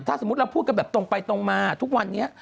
ถ้าสมมุติเราพูดกันแบบตรงไปตรงมาทุกวันนี้